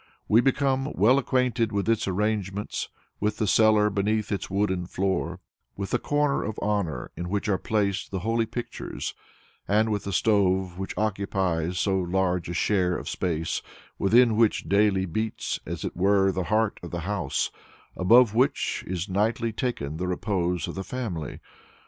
We become well acquainted with its arrangements, with the cellar beneath its wooden floor, with the "corner of honor" in which are placed the "holy pictures," and with the stove which occupies so large a share of space, within which daily beats, as it were the heart of the house, above which is nightly taken the repose of the family.